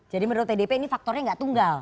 jadi menurut tdp ini faktornya gak tunggal